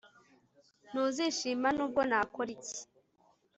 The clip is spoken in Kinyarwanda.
Ntuzishima nubwo nakora iki